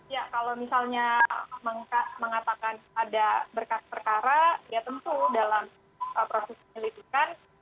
ya kalau misalnya mengatakan ada berkas perkara ya tentu dalam proses penyelidikan